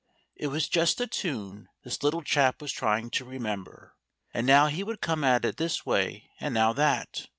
It was just a tune this little chap was trying to remember, and now he would come at it this way and now that.